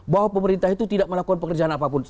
bahwa pemerintah itu tidak melakukan pekerjaan apapun